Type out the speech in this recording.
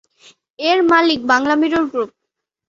এর মালিক Bangla Mirror group.